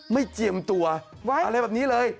เจียมตัวอะไรแบบนี้เลย